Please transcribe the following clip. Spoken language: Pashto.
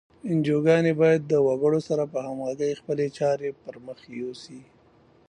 انجوګانې باید د وګړو سره په همغږۍ خپلې چارې پر مخ یوسي.